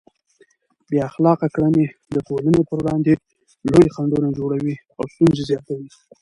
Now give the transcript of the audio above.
بې اخلاقه کړنې د ټولنې پر وړاندې لوی خنډونه جوړوي او ستونزې زیاتوي.